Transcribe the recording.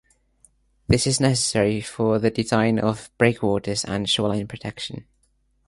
This is necessary for the design of breakwaters and shoreline protection.